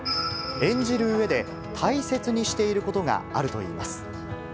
演じるうえで、大切にしていることがあるといいます。